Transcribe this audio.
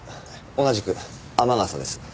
同じく天笠です。